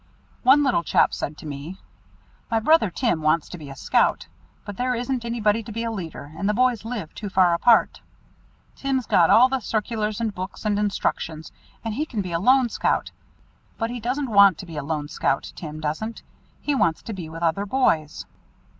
One little chap said to me: "My brother Tim wants to be a Scout, but there isn't anybody to be a leader and the boys live too far apart. Tim's got all the circulars and books and instructions and he can be a lone scout, but he doesn't want to be a lone scout Tim doesn't; he wants to be with other boys."